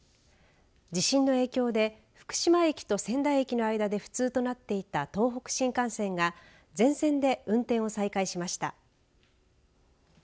地震の影響で福島駅と仙台駅の間で不通となっていた東北新幹線が全線で運転を再開しました。